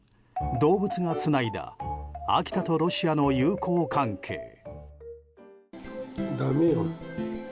動物がつないだ秋田とロシアの友好関係。